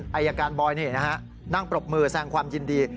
อายการบอยนี่นะฮะนั่งปรบมือแสงความยินดี